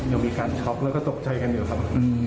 ยังมีการช็อกแล้วก็ตกใจกันอยู่ครับ